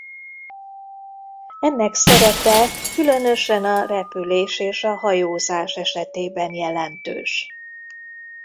Ennek szerepe különösen a repülés és a hajózás esetében jelentős.